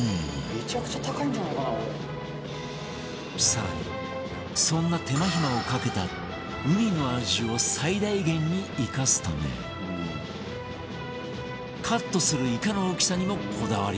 更にそんな手間ひまをかけたウニの味を最大限に生かすためカットするイカの大きさにもこだわりが